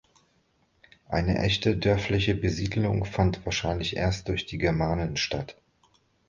Eine echte dörfliche Besiedlung fand wahrscheinlich erst durch die Germanen statt.